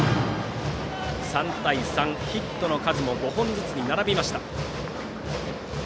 ３対３、ヒットの数も５本ずつに並びました。